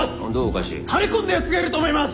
垂れこんだやつがいると思います！